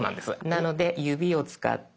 なので指を使って。